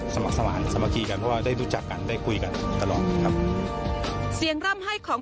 สมัครสมาธิสามัคคีกันเพราะว่าได้รู้จักกันได้คุยกันตลอดครับเสียงร่ำให้ของ